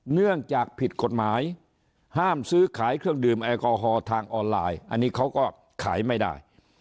เนื่องจากผิดกฎหมายห้ามซื้อขายเครื่องดื่มแอลกอฮอล์ทางออนไลน์อันนี้เขาก็ขายไม่ได้